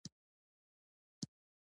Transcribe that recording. دوی به تر هغه وخته پورې علمي مقالې لیکي.